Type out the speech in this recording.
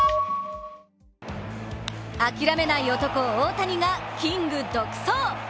諦めない男、大谷がキング独走。